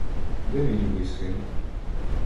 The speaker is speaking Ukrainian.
Де мій любий син?